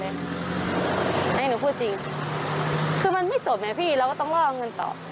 ให้หนูพูดจริงคือมันไม่จบไงพี่เราก็ต้องล่อเงินต่อ